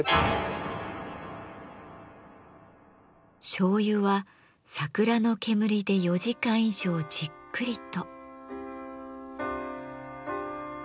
しょうゆはサクラの煙で４時間以上じっくりと。